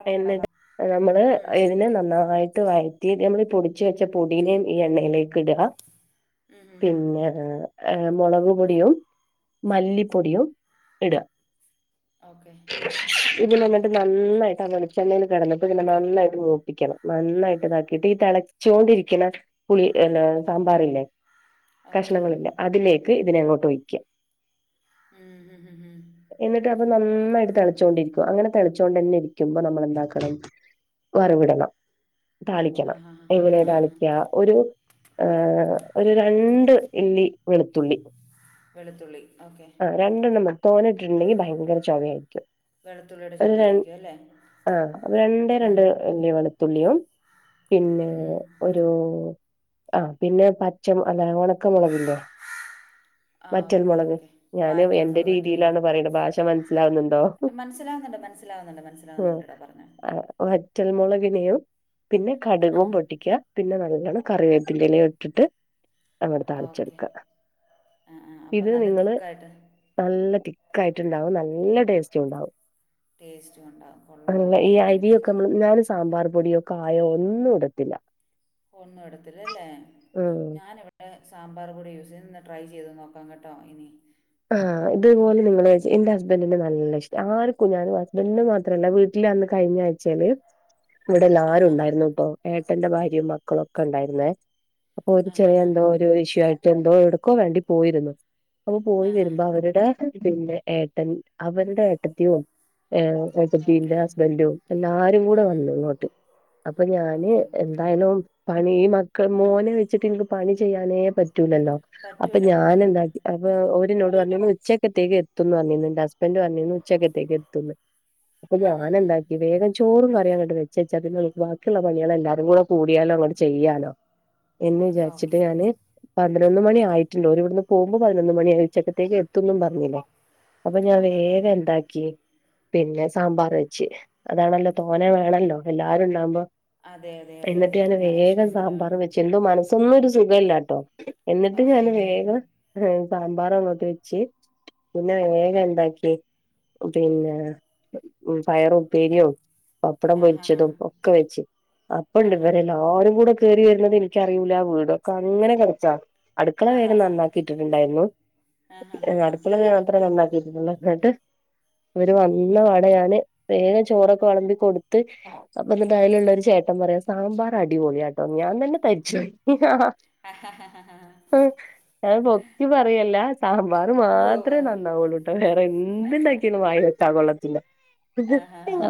പറഞ്ഞാടാ എന്നിട്ട് പറ നമ്മള് ഉം ഇതിനെ നന്നായിട്ട് വയ റ്റി നമ്മള് പൊടിച്ച് വെച്ച പൊടിനേം ഈ എണ്ണയിലേക്ക് ഇട ഉം ഉം പിന്നെ ഏ മൊളക് പൊടിയും മല്ലിപ്പൊടിയും ഇട ഓക്കെ ഇതിനെന്ന്ട്ട് നന്നായി തവെളിച്ചെണ്ണയിൽ കെടന്നപ്പോ ഇതിനെ നന്നായിട്ട് മൂപ്പിക്കണം നന്നായിട്ട് താക്കിയിട്ട് ഈ തെളച്ചോണ്ടിരിക്കണെ പുളി അല്ല സാമ്പാറില്ലേ ഓക്കെ കഷ്ണങ്ങളില്ലേ അതിലേക്ക് ഇതിനെ അങ്ങോട്ട് ഒയ്ക്കാ ഉം ഉം ഉം ഉം എന്നിട്ട് അപ്പൊ നന്നായിട്ട് തെളച്ചോണ്ടിരിക്കും അങ്ങനെ തെളച്ചോണ്ടെന്നെ ഇ രിക്കുമ്പോ നമ്മളെന്താക്കണം വറവ്ടണം താളിക്കണം ആഹാ എങ്ങനെ ആ ഹാ താളിക്ക ഒരു എ ഒരു രണ്ട് ഇല്ലി വെളുത്തുള്ളി വെളുത്തുള്ളി ഓക്കേ തോന്നിയിട്ടുണ്ടെങ്കിൽ ഭയങ്കര ചൊവയായിരിക്കും വെളുത്തുള്ളിയുടെ ചൊവയായിരിക്കും അല്ലേ ആ അ രണ്ടേ ഉം രണ്ട് വല്ല വെളുത്തുള്ളിയും പിന്നെ ഉം ഒരു ആ പിന്നെ പച്ചം അതാണ് കക്ക മുളകില്ലോ ആ ഓക്കെ വറ്റൽമുളക് ഓക്കെ ഞാന് എന്റെ വാറ്റൽമുളക് വാറ്റൽമുളക് രീതിയിലാണ് പറയണ ഭാഷ മനസ്സിലാവുന്നുണ്ടോ നല്ല മനസ്സിലാകുന്നുണ്ട് ടാ പറഞ്ഞു റ്റൽമുളകനയും പിന്നെ ആ കടുകും പൊട്ടിക്ക പിന്നെ ന കറിവേപ്പിന്റെല ഇട്ടിട്ട് അങ്ങോട്ട് താളിച്ച് ഓക്കെ കൊടുക്കുക ആ ആ ഇത് അപ്പം നല്ല നിങ്ങള് തിക്കായിട്ട് നല്ല തി കായിട്ടുണ്ടാവും നല്ല ടെസ്റ്റും ഉണ്ടാവും ടേസ്റ്റ് ഉണ്ടാവും കൊള്ളാം അല്ല കേട്ടോ ഈ നന്നായിട്ട് അരിയൊക്കെ നമ്മള് ഞാന് സാമ്പാർ പൊടിയോ കായോ ഒന്നും ഇടത്തില്ല ഒന്നു ഇടത്തില്ലല്ലേ ഉം ഞാനിവിടെ സാമ്പാർ പൊടി യൂസ് ചെയ്യും ട്രൈ ചെയ്ത് നോക്കാം കേട്ടോ ഇനി ആ ഉം. ഇതുപോലെ നിങ്ങളെ എന്റെ ഹസ്ബൻഡിന് നല്ല ഇഷ്ടം ആർക്കും ഞാനും ഹസ്ബൻഡ്ന് മാത്രമല്ല വീട്ടിൽ അന്ന് കഴിഞ്ഞ അയച്ചാല് ഇവിടെല്ല ആരു ഉണ്ടായിരുന്നു ഇട്ടൊ ഏട്ടന്റെ ഭാര്യയും മക്കളും ഒക്കെ ഉണ്ടായിരുന്നേ അപ്പൊ ഒരു ആഹാ ചെറിയ എന്തോ ഒരു ഇഷ്യൂ ആയിട്ട് എന്തോ എടുക്കോ വേണ്ടി പോയിരുന്നു അപ്പൊ പോയി ആഹാഹാ ആഹാ വരുമ്പോ അവരുടെ പിന്നെ ഏട്ടൻ അവരുടെ ഏട്ടത്തിയൊ ഏബീന്റെ ഓക്കെ ഹസ്ബൻറും എല്ലാരും കൂടെ വന്നു ഇങ്ങോട്ട് അപ്പൊ ഞാന് ഓക്കെ എന്തായാലും പണി ഈ മക്കൾ മോനെ വെച്ചിട്ട് എനിക്ക് പണി ചെയ്യാനേ പറ്റൂ ലല്ലോ അപ്പൊ പറ്റില്ല ഞൻ പറ്റില്ല എന്ത ഓരിനോട് പറഞ്ഞന്ന് ഉച്ചക്കത്തേക്ക് എത്തുന്നു പറന്ന് എന്റെ ഹസ്ബൻഡറ് പറഞ്ഞന്ന് ഉച്ചക്കത്തേക്ക് എത്തുന്നു അപ്പൊ ഞാന എന്താക്കി വേഗം ചോറും കറി അങ്ങട്ട് വെച്ച വെച്ചാ ബാക്കിയുള്ള പണികെല്ലാരും കൂടെ കൂടിയാലോ അങ്ങോട്ട ചെയ്യാലോ എന്നന്ന് ഓക്കെ വിചാരിച്ചിട്ട് ഞാന് പതിനൊന്ന് മണി ആയിട്ടില്ലോര് ഇവിടുന്ന് പോകുമ്പോൾ പതിനൊന്ന് മണി അയച്ചക്കത്തേക്ക് എ തുന്നും പറഞ്ഞില്ലേ അപ്പൊ ഞാൻ ആഹാഹാ വേഗം എന്താക്കി പിന്നെ സാമ്പാർ വെച്ച് അതാണല്ലോ തോന വേണല്ലോ എല്ലാരുംണ്ടാവകുമ്പോ അതെ അതെ അതെ എന്നിട്ട് അതെ ഞാൻ വേഗം ഇഷ്ടം പോലെ വേണം സാമ്പാറ്വെച്ചു എന്തോ മനസ്സൊന്നും സുഖല്ല ട്ടോ എന്നിട്ട് ഓക്കെ ഞാൻ ഓക്കെ വേഗം സാമ്പാറങ്ങോട്ട് വെച്ച് പിന്നെ വേഗ എന്താക്കി പിന്നെ പയർ ഉപ്പേരിയും പപ്പടം ആഹാഹാ പൊരിച്ചതും ഒക്കെ വെച്ച് അപ്പണ്ട് ആഹാഹാ ഇവരെല്ലാവരും കൂടെ കേറി ത് എനിക്കറിൂല വീടൊക്കെ അങ്ങനെകെടക്ക അടുക്കള വേഗം ആഹാഹാ നന്നാക്കി കിട്ടിട്ടുണ്ടായിരുന്നു ആഹാഹാ അടുക്കള മാത്രേ നന്നാക്കിട്ടള്ള എന്നങ്ങോട്ട് അവര് വന്ന വ്വാടെഞാൻ വേഗ ചോറൊക്കെ വളമ്പി കൊടുത്ത് അപ്പന്നായലുള്ളരു ചേട്ടൻ ഏട്ടം പറയാ സാമ്പാർ അടിപൊളിയാട്ടോ ഞാൻ തന്നെ തരിചോയി ആ ഹാ ഹാാ ഹാാ ഒക്കി പറയല്ല സാമ്പാർ ഉവ്വ് ഉവ്വ് മാത്രമേ നന്നാവൂള്ളൂട്ടെ വേറെ എന്തുണ്ടാക്കാലും വായീ വെക്കാൻ കൊള്ളില്ല തില്ല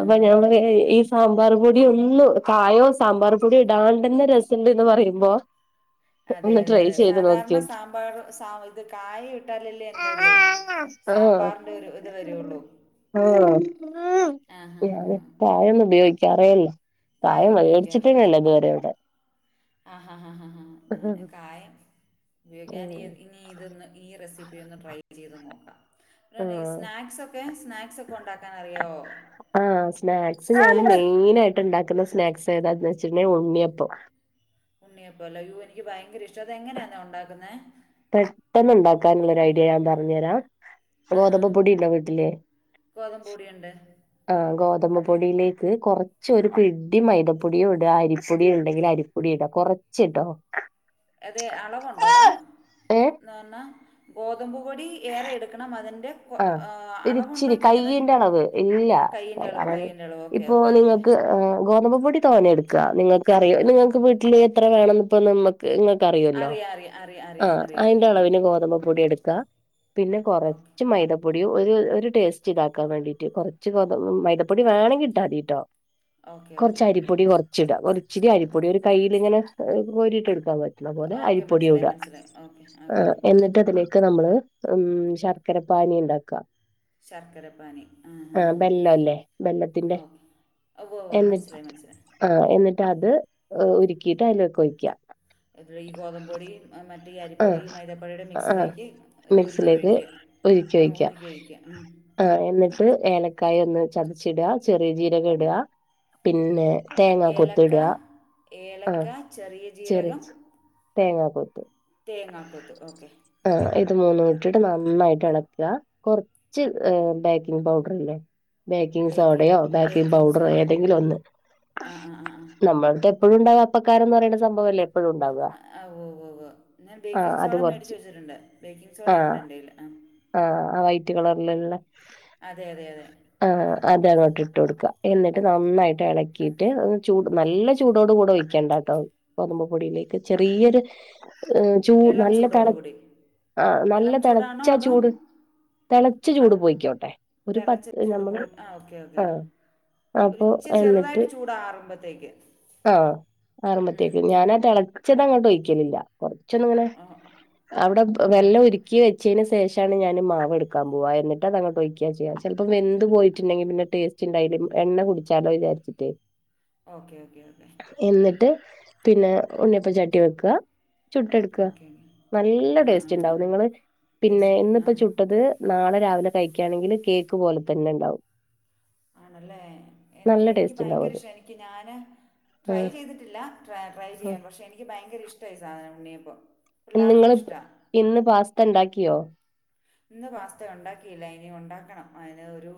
അപ്പൊ ഞാന്പരി ഇത് ഈ സാമ്പാർ പൊടിയ ഒന്നും കായോ സാമ്പാർ പൊടിയോ ഇടാണ്ടന്ന രസംണ്ട്ന്ന് പറയുമ്പോ അതെ ഒന്ന് അതെ ട്രൈ അതെ ചെയ്ത് സാധാരണ നോക്കിയോക്കി സാമ്പാർ ഇത് കായ ട്ടാലല്ലേ എന്തേള്ളു ആഹ് സാമ്പാറിന്റെ ഒരു ഇത് വരയുള്ളൂ ആ ഞൻ കായൊന്നും ഉപയോഗിക്കാറേഇല്ല കായ ക്കായം ഉപയോഗിക്കാറില്ല മേടിച്ചിട്ടന്നല്ലേ ഇതുവരെ ഇവിടെ ആ ഹ ഹ ഹ ഞാാന് കായം ഉപയോഗിക്കാൻ ഇനി ഇതൊന്ന് ഈ റെസിപ്പി ട്രൈ ചെയ്ത് നോക്കാം ആഹ് സ്നാക്സൊക്കെ സ്നാക്സ് ഒക്കെ ഉണ്ടാക്കാൻ അറിയോ ആ സ്നാക്സ് ഞൻ മെയിൻ ആയിട്ട് ഉണ്ടാക്കുന്ന സ്നാക്സ് ഏതാന്ന് വെച്ചിട്ട ഉണ്ണിയപ്പം ഉണ്ണിയപ്പോല്ല എനിക്ക് ഭയങ്കര ഇഷ്ടം അത് എങ്ങനെയാന്ന ഉണ്ടാക്കുന്ന പെട്ടെന്ന് ഉണ്ടാക്കാനുള്ള ഒരു ഐഡിയ ഞാൻ പറഞ്ഞു തരാ ആഹാ ഗോതമ്പ് പൊടിണ്ടോ വീട്ടില് ഗോതമ്പ് പൊടിയുണ്ട് ആഹ് ഗോതമ്പ പൊടിയിലേക്ക് കുറച്ച് ഒരു പുടി മൈദപ്പൊടിയും ഇട അരിപ്പൊടിയും ഉണ്ടെങ്കിൽ അരി ടിടാ കൊറച്ച കേട്ടോ അതെ അളവുണ്ടോടാ ഏഹ് എന്നന്തന്നാ ഗോതമ്പ് പൊടി ഏറെ എടുക്കണം അതിന്റെ ആഹ് ഇച്ചിരി കയ്യിന്റെ അളവ് ഇല്ല കയ്യിൻ്റെ അളവ് കയ്യിൻ്റെ ഓക്കെ ഇപ്പൊ ഓക്കെ നിങ്ങ ഓക്കെ ഗോതമ്പ് പൊടി തോന്നെ എടുക്കുക നിങ്ങൾക്ക്റിയോ നിങ്ങൾക്ക് വീട്ടിൽ എത്ര വേണ ഇപ്പോ നിങ്ങൾക്ക്റിയുമല്ലോ അറിയാം അറിയാം അറിയാം ആ അറിയാം അറിയാം അതിന്റെ അറിയാം അളവിന് അറിയാം ഗോതമ്പപ്പൊടി എടുക്കാ പിന്നെ കൊറ ഓക്കെ പ്പൊടി ഒരു ഒരു ടേസ്റ്റ് ഇതാക്കാൻ വേണ്ടീട്ട് കുറച്ച് കൊ മൈതപ്പൊടിേമെങ്കിൽിട്ടാ മതി കേട്ടോ ഓക്കെ കുറച്ച് ഓക്കെ ഓക്കെ അരിപ്പൊടി കൊറച്ചിടാ കൊറച്ചിടി അരിപ്പൊടി ഒരു കൈയ്ൽ ഇങ്ങനെ കോരിട്ട് എടുക്കാൻ പറ്റും ന്നാ പോലെ ഓക്കെ മനസ്സിലായി അപ്പൊടിട മനസ്സിലായി ഓക്കെ ഓക്കെ എന്നിട്ടതിക്ക് നമ്മള് ശർ ചക്കര പാനി ഉണ്ടാക്കാം ശർക്കര പാനി ആ ഓേകേ എന്നിട്ട് ആ എന്നിട്ട് അത് ഉരുക്കിയിട്ട് അതിലേക്ക് ഒഴിക്കാം ഇതിൽ ഈ ഗോതമ്പൊടി മറ്റേ ആ അരിപ്പൊടി മൈതപ്പൊടിയുടെ ആ മിക്സിലേക്ക് ഇത് ഉരുക്കി മിക്സിലേക്ക് ഒഴിക്കുക ആ ഉരുക്കി ഒഴിക്കുക ആഹ് എന്നിട്ട് ഏലക്കായ ഒന്ന് ചതച്ചി ഇടുക ചെറിയ ജീരകം ഇടുക പിന്നെ തേങ്ങാ കൊത്ത് ഏലക്ക ഇടുക ഏലക്ക ചെറിയ ജീരകം തേങ്ങാക്കൊത്ത് തേങ്ങാക്കൊത്ത് ഓക്കെ. ഇത് മൂന്നും ഇട്ടിട്ട് നന്നായിട്ട് എളക്കുക, കുറച്ച് ബേക്കിംഗ് പൗഡർ ഇല്ലേ ബേക്കിംഗ് സോഡയോ ബേക്കിംഗ് പൗഡറോ ഏതെങ്കിലും ഒന്ന്, ആ ആ ആ ആ നമ്മളുടെ എപ്പോഴുംണ്ടാവ്വ അപ്പക്കാരന്ന് പറയുന്ന സംഭവല്ലേ എപ്പഴും ഉണ്ടാവുക. മ- ആ, ഓ ഓ ഓ ഞാൻ ആഹ് ബേക്കിംഗ് സോഡ അത് മേടിച്ച് കുറച്ച് വച്ചിട്ടുണ്ട് ബേക്കിംഗ് സോഡ ആഹ് ഒണ്ടെന്റെല് ആ. ആഹ് ആ വൈറ്റ് കളറിലുള്ള അതെ അതെ അതെ ആ അതങ്ങോട്ടി ട്ടു കൊടുക്കുക, എന്നിട്ട് നന്നായിട്ട് എളക്കിയിട്ട് ചൂട് നല്ല ചൂടോട് കൂടെ വയ്ക്കണ്ട കേട്ടോ. ഉപ്പുപൊടിയിലേക്ക് ചെറിയൊരു ഏ ചൂ ഇളം നല്ല തെള, ചൂടോടുകൂടി ആ നല്ല ഇളം ചൂടാണോ തെളച്ച അതോ ചൂട് തെളച്ച ചൂട് അത് പോയിക്കോട്ടെ ഒരു തിളച്ച പത്ത് നമ്മള് ആ ഒരിച്ചിരി ചെറുതായിട്ട് ചൂടാറുമ്പോത്തേക്ക് ആഹ് ആറുമ്പത്തേക്ക് ഞാനാ തെള ച്ചത് അങ്ങോട്ട് ഒഴിക്കലില്ല, കുറച്ചൊന്നിങ്ങനെ ഓ അവിടെ വെള്ളം ഓക്കെ ഉരുക്കി വെച്ചന് ശേഷാണ് ഞാനീ മാവെടുക്കാൻ പോവാ, എന്നിട്ട് അതങ്ങോട്ടൊഴിയ്ക്കാ ചെയ്യാ ചെലപ്പം വെന്ത് പോയിട്ടുണ്ടെങ്കിൽ പിന്നെ ടേസ്റ്റിൻഡായില്ല എണ്ണ കുടിച്ചാലോ വിചാരിച്ചിട്ട്. ഓക്കെ ഓക്കെ ഓക്കെ എന്നിട്ട് പിന്നെ ഉണ്ണിയപ്പച്ചട്ടി വെക്കുക, ചുട്ടെടുക്കുക. ഓക്കെ നല്ല ആ ആ ടേസ്റ്റ് ഉണ്ടാവും നിങ്ങള് പിന്നെ ടേസ്റ്റ് ആ ഇന്നിപ്പ ചുട്ടത് നാളെ രാവിലെ കഴിക്കയാണെങ്കിൽ കേക്ക് പോലെ തന്നെ ഉണ്ടാവും. ആണല്ലേ എനിക്ക് നല്ല എനിക്ക് ടേസ്റ്റ് ഉണ്ടാവും ഭയങ്കര അത് ഇഷ്ട എനിക്ക് ഞാന് ട്രൈ ഉം ചെയ്തിട്ടില്ല ട്രൈ ട്രൈ ചെയ്യാം പക്ഷെ എനിക്ക് ഭയങ്കര ഇഷ്ടാ ഈ സാധന ഉണ്ണിയപ്പം. നിങ്ങള് പിള്ളേർക്കും ഇഷ്ടമാണ് ഇന്ന് പാസ്തണ്ടാക്കിയോ? ഇന്ന് പാസ്ത ഒണ്ടാക്കിയില്ല ഇനി ഒണ്ടാക്കണം ആ. ഒരു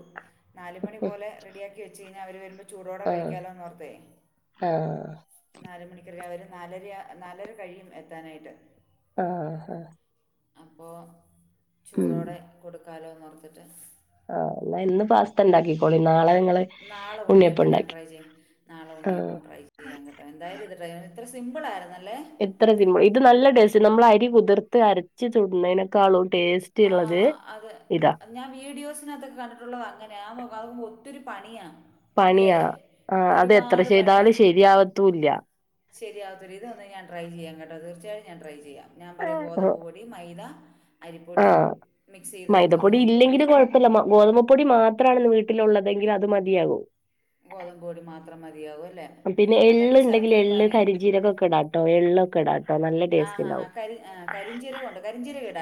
നാല മണി പോലെ റെഡിയാക്കി വെച്ച് കഴിഞ്ഞാ അവരുവരുമ്പ ചൂടോടെ ആഹ് കഴിക്കാല്ലോന്നോർത്തെ, ആഹ് നാലുമണി അവര് നാലരയ നാലര കഴിയും എത്താനായിട്ട്. ആ ആ അപ്പോ ചൂടോടെ കൊടുക്കാലോന്നോർത്തിട്ട് ആ എന്നാ ഇന്ന് പാസ്തണ്ടാക്കിക്കോളി നാളെ നിങ്ങള് നാളെ ഉണ്ണിയപ്പം ഞാൻ ട്രൈ ചെയ്യും നാളെ ആഹ് ഉണ്ണിയപ്പം ട്രൈ ചെയ്യാം കേട്ടോ എന്തായാലും ഇത്ട്രൈ എത്ര സിമ്പിൾ ആയിരുന്നാല് എത്ര സിമ്പിൾ, ഇത് നല്ല ടേസ്റ്റ നമ്മൾ അരി കുതിർത്ത് അരച്ചു ചുടുന്നതിനക്കാളും ആ അതെ ഞാൻ വീഡിയോസിനാത്തൊക്കെ കണ്ടിട്ടുള്ളത് അങ്ങനെയാ ഞാൻ നോക്കുമ്പോ അതങ്ങൊത്തിരി പണിയാ പണിയാ, ആ അതെത്ര ചെയ്താലും പണിയാണ് ശരിയാവത്തുല്ല്യ. ശരിയാവത്തില്ല ഇതൊന്നു ഞാൻ ട്രൈ ചെയ്യാം കേട്ടോ തീർച്ചയായിട്ടും ഞാൻ ട്രൈ ചെയ്യാം ഞാൻ പറയാം ഗോതമ്പ് പൊടി മൈദ ആ അരിപ്പൊടി മിക്സ് ചെയ്ത് മൈദപ്പൊടി വെക്കുന്നു ഇല്ലെങ്കിലും കുഴപ്പല്ല മ ഗോതമ്പുപൊടി മാ ത്രാണ് വീട്ടിലുള്ളതെങ്കിൽ അത് മതിയാകും. ഗോതമ്പു പൊടി മാത്രം മതിയാവ്വു പിന്നെ എള്ളുണ്ടെങ്കിൽ എള്ള് കരിഞ്ജീരകം ഒക്കെ ഇടാട്ടോ എള്ളൊക്കെ ഇടാട്ടോ നല്ല ആ ടേസ്റ്റ് ഹാ ഹാ ഉണ്ടാവും. ആ കരി കരിഞ്ചീരകൊണ്ട് കരിഞ്ചീരകിട്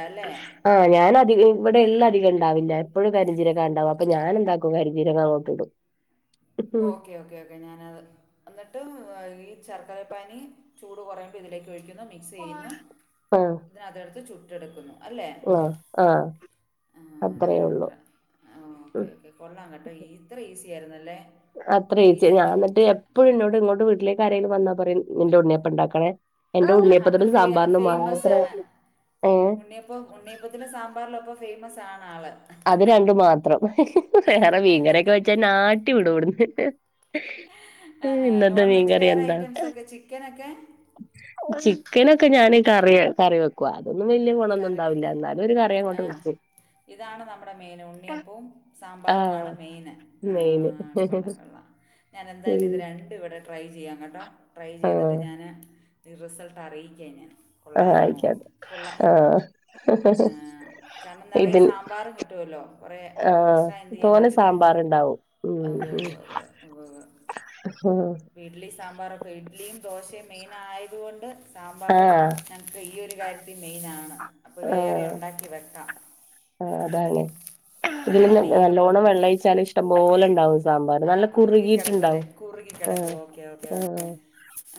ആ ഞാനധികം ഇവിടെ എള്ള് അധിക ണ്ടാവില്ല എപ്പോഴും കരിഞ്ജീരകാ ഉണ്ടാവ്വ അപ്പൊ ഞാനെന്താക്കും കരിഞ്ജീരകങ്ങോട്ടിടും. ഓക്കേ ഓക്കേ ഓക്കെ ഞാൻ അത് എന്നിട്ട് ഈ ശർക്കരപ്പാനി ചൂട് കൊറയുമ്പം ഇതിലേക്ക് ഒഴിക്കുന്നു, മിക്സ് ചെയ്യുന്നു, എന്നിട്ടതെടുത്തു ചു ട്ടെടുക്കുന്നു. അ ആ അത്രേ ഞാൻ ഒള്ളു ട്ര- ആ, ഉം. ഈസിആയിരുന്നു അല്ലേ അത്രയേച്ചി ഞാൻ എന്നിട്ട് എപ്പഴും എന്നോട് ഇങ്ങോട്ട് വീട്ടിലേ ക്ക് ആരേലും വന്നാ പറയും നിന്റെ ഉണ്ണിയപ്പം ഉണ്ടാക്കണേ എന്റെ ആ അത്ര ഉണ്ണിയപ്പത്തിനും ഫെയ് സാമ്പാറിനും മാത്രം ഫേയമസാണ് ഏഹ് ഉണ്ണിയപ്പം ഉണ്ണിയപ്പത്തിലെ സാമ്പാറല്ലൊപ്പം ഫേമസ് ആണ് ആള് അത് രണ്ടും മാത്രം വേറെ മീങ്കറിയൊക്കെ വെച്ചാ എന്നാട്ടി വിടും ഇവിട്ന്ന് ആ നോൺ വെജ് മീൻകറി വേറെ എന്താ ഐറ്റംസൊക്കെ ചിക്കനൊക്കെ ചിക്കനൊക്കെ ഞാന് കറി കറി വെക്കുവാ അതൊന്നും വലിയ കറി ഗുണംന്നുണ്ടാവില്ല എന്നാലും ഒരു ആ കറിയങ്ങോട്ട് വെക്കും ഇതാണ് നമ്മുടെ മെയിൻ ഉണ്ണിയപ്പവും ആഹ് സാമ്പാറുവാണ് മെയിന് ആ മെയിന് കൊള്ളം കൊള്ളാം ഉം ഞാനെന്തായാലും ഇത് രണ്ടും ഇവിടെ ട്രൈ ചെയ്യാം കേട്ടോ ട്രൈ ചെയ്തിട്ട് ആഹ് ഞാന് റിസൾട്ട് അറിയിക്ക ഞാൻ കൊള്ളായിരുന്നോ കൊള്ളാം അ കാരണം നിറയെ സാമ്പാറും കിട്ടുവല്ലോ കൊറേ ആഹ് എക്സ്ട്രാ എന്തെയ്യാൻ തോനെ പറ്റില്ലേ സാമ്പാറ്ണ്ടാവും ഒ ഉവ്വ് ഉവ്വ് ഉവ്വ് ഉവ്വ് ഉവ്വ് ആഹ് അപ്പോൾ ഇഡ്ഡലി സാമ്പാറൊക്കെ ഇഡ്ലിയും ദോശയും മെയിനായതു കൊണ്ട് സാമ്പാറ് ആഹ് ഞങ്ങക്ക് ഈ ഒരു കാര്യത്തി മെയിനാണ് അപ്പോൾ വേറെ ഉണ്ടാക്കി വെക്കാം ആ ഉം. അതാണ് ഇതില് ന പണി എളുപ്പം നല്ലോണ്ണം വെള്ളം ഒഴിച്ചാല് ഇഷ്ടംപോലെ ഉണ്ടാവും ആ കുറുകിക്കിടക്കും അല്ലെ കുറുകിക്കിടക്കും ആഹ് ഓക്കെ ഓക്കെ ഓക്കെ ആഹ്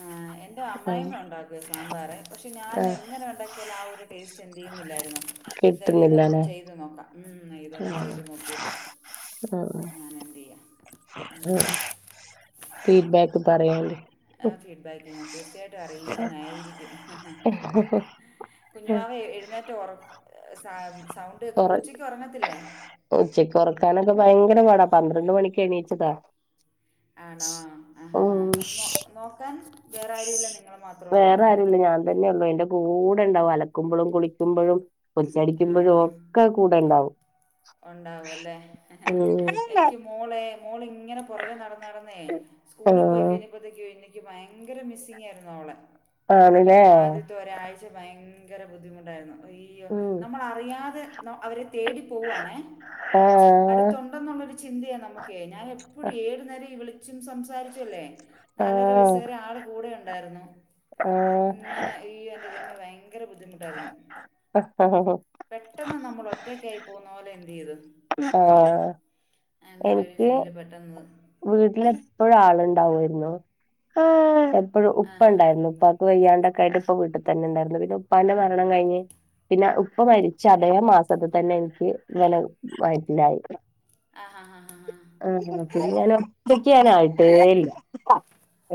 ആ എന്റെ ആഹ് അമ്മായിമ്മ ഉണ്ടാക്കുവേ സാമ്പാറേ പക്ഷെ ഞാൻ ആഹ് എങ്ങനെ ഉണ്ടാക്കിയാലും ആ ഒരു ടേസ്റ്റ് ചിന്തിയിന്നില്ലായിരുന്നു എന്തയാലും ഇതൊന്ന് കിട്ടുന്നില്ലല്ലേ ചെയ്തു നോക്കാം ഉം ഇതൊന്ന് ആഹ് ചെയ്ത് നോക്കിയിട്ട് ഞാൻ എന്തെയ്യാം ഉം ഫീഡ്ബാക്ക് പറയോണ്ടി ആ ഫീഡ്ബാക്ക് ഞാൻ തീർച്ചയായിട്ടും അറിയിക്കുന്നായിരിക്കും കുഞ്ഞുവാവ എഴുന്നേറ്റോ ഒറക് ഒറക് ഉറങ്ങത്തില്ലേ? ഉച്ചക്ക് ഉറക്കൊറക്കാനൊക്കെ ഭയങ്കര പാട പന്ത്രണ്ട് മണിക്ക് എണീച്ചതാ ആണോ ആ ഹാ ഹാ ഉം നോക്കാൻ വേറെ ആരുമില്ല നിങ്ങള് മാത്രേ ഉള്ളോ? വേറെ ആരൂല്ല ഞാൻ തന്നെ ഉള്ളൂ എന്റെ കൂടെ ടെ ഉണ്ടാവും അലക്കുമ്പളും കുളിക്കുമ്പൊഴും [unintelligible] ടിക്കുമ്പൊഴും ഒക്കെ കൂടെ ഉണ്ടാവും ഉണ്ടാവും അല്ലേ ഉം എനിക്ക് മോളെ മോൾ ഇങ്ങനെ പുറകെ നടന്നടന്നേ ആ സ്കൂളിൽ പോയി കഴിഞ്ഞപ്പത്തേക്കും എനിക്ക് ഭയങ്കര മിസ്സിംഗ ആയിരുന്നു അവളെ ആണല്ലേ? ആദ്യത്തെ ഒരാഴ്ച ഭയങ്കര ബുദ്ധിമുട്ടായിരുന്നു അയ്യോ ഉം നമ്മളറിയാതെ നൊ അവരെ തേടി വെ ആണ്ല്ലേ ആഹ് അടുതുണ്ടെന്നുള്ളൊരു ചിന്തയാ നമുക്കേ ഞാൻ എപ്പഴും ഏത് നേരവും ഇവള് ച്ചും സംസാരിച്ചുവല്ലേ നാലര വയസ്സ് വരെ ആള് കൂടെ ഉണ്ടായിരുന്നു ആഹ് ഇങ്ങനെ ഈ എന്റെ തന്നെ ഭയങ്കര ബുദ്ധിമുട്ടായിരുന്നോ ഹ ഹ ഹ ഒറ്റക്കായി ആയി പോന്നോലെ എന്തെയ്ത് ആഹ് അങ്ങനൊരു ഫീല് പെട്ടെന്ന് വീട്ടില് എപ്പഴും ആളുണ്ടാവുവായിരുന്നു എപ്പഴും ഉപ്പ ആഹാ! ഉണ്ടായിരുന്നു ഉപ്പാക്ക് വയ്യാണ്ടൊക്കെ ആയിട്ട് ഇപ്പം വീട്ടി തന്നെ ഉണ്ടായിരുന്നു പിന്നെ ഉപ്പാൻ്റെ മരണം കഴിഞ്ഞ് പിന്നെ ഉപ്പ മരിച്ച അതേ മാസത്തി തന്നെ എനിക്ക് [unintelligible] വയറ്റിലായി അ ഹ ഹ ഹ ഹ ആ ഞാൻ ഒറ്റക്ക് ഞാൻ ആയിട്ടേ ഇല്ല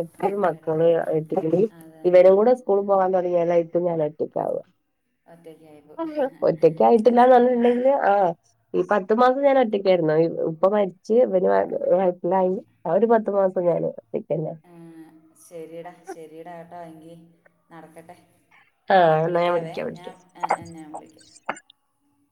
എത്ര ഓക്കേടാ, മക്കള് ഓക്കേടാ. എ [unintelligible] അത് തന്നെ. ഇവരും കൂടെ സ്കൂൾ പോകാൻ തുടങ്ങിയാലായി വീണ്ടും ഞാൻ ഒറ്റക്കാവും ഒറ്റയ്ക്കായിപ്പോവും. ഒറ്റക്ക് ആായിട്ടില്ല [unintelligible] ആ് ഈ പത്ത് മാസം ഞാൻ ഒറ്റക്കായിരുന്നു ഉപ്പ മരിച്ച് പിന്നെ [unintelligible] വയട്ടിലായി ആ ഒരു പത്തു മാസം കണ ആ ശരിടാ ശെരിടാ കേട്ടോ എങ്കി നടക്കട്ടെ ആ ഞാൻ എന്ന ഞൻ വിളിക്കാവേ വിളിക്കാം ഞാൻ വിളിക്കാം ഞാൻ വിളിക്കാം [unintelligible]